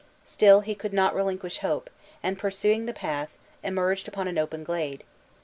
Still he could not relinquish hope, and pursuing the path, emerged upon an open glade.